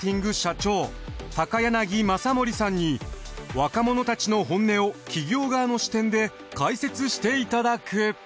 若者たちの本音を企業側の視点で解説していただく。